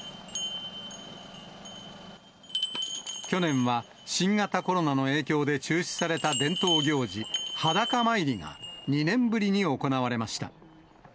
去年は新型コロナの影響で中止された伝統行事、裸参りが２年ぶりに行われました。